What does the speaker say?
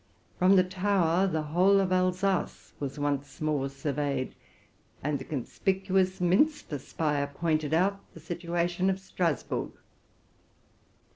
From the tower the whole of Alsace was once more surveyed, and the conspicuous minster spire pointed out the situation of Strasburg.